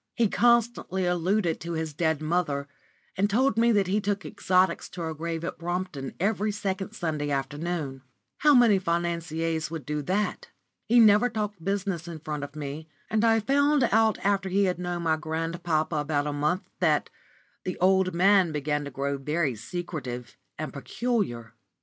He constantly alluded to his dead mother, and told me that he took exotics to her grave at Brompton every second Sunday afternoon. How many financiers would do that? He never talked business in front of me, and I found after he had known my grandpapa about a month that the old man began to grow very secretive and peculiar.